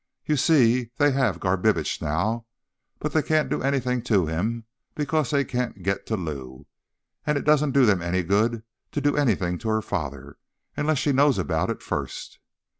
"You see, they have Garbitsch now, but they can't do anything to him because they can't get to Lou. And it doesn't do them any good to do anything to her father, unless she knows about it first."